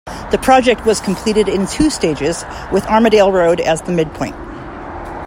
The project was completed in two stages, with Armadale Road as the midpoint.